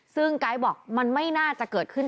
ซึ่งไกด์บอกมันไม่น่าจะเกิดขึ้น